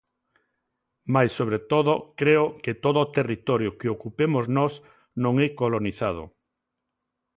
Mais sobre todo creo que todo o territorio que ocupemos nós non é colonizado.